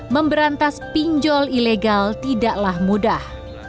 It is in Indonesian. memberantas pinjol ilegal tidaklah mudah